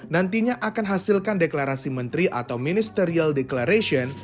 nantinya akan hasilkan deklarasi menteri atau ministerial declaration